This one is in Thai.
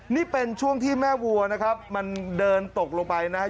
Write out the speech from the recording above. นี่เป็นช่วงที่แม่วัวนะครับมันเดินตกลงไปนะครับ